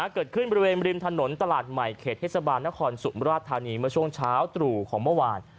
เกิดขึ้นบริเวณริมถนนตลาดใหม่เขตเทศบาลนครสุมราชธานีเมื่อช่วงเช้าตรู่ของเมื่อวาน